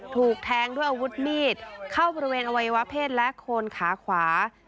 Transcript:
ถูกแทงด้วยอาวุธมีดเข้าบริเวณอวัยวะเพศและโคนขาขวา